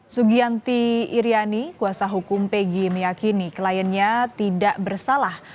sugianti iryani kuasa hukum pg meyakini kliennya tidak bersalah